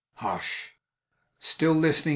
Hush! Still listening!